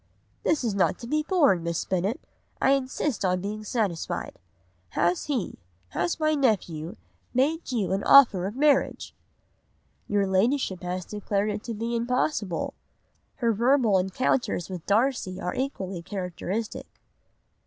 "'This is not to be borne, Miss Bennet, I insist on being satisfied. Has he, has my nephew, made you an offer of marriage?' "'Your Ladyship has declared it to be impossible.'" Her verbal encounters with Darcy are equally characteristic.